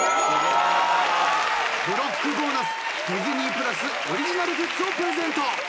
ブロックボーナスディズニープラスオリジナルグッズをプレゼント。